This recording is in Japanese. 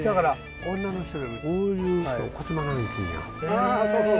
ああそうそう。